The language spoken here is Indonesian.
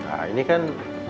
nah ini kan